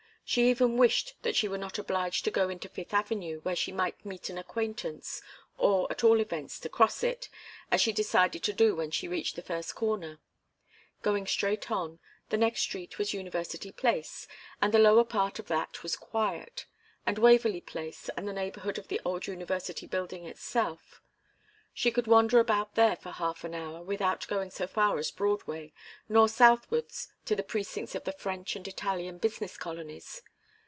She even wished that she were not obliged to go into Fifth Avenue, where she might meet an acquaintance, or at all events to cross it, as she decided to do when she reached the first corner. Going straight on, the next street was University Place, and the lower part of that was quiet, and Waverley Place and the neighbourhood of the old University building itself. She could wander about there for half an hour without going so far as Broadway, nor southwards to the precincts of the French and Italian business colonies.